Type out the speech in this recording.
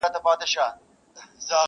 مرګه ونیسه لمنه چي در لوېږم؛